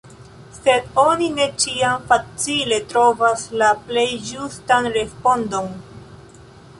Sed oni ne ĉiam facile trovas la plej ĝustan respondon.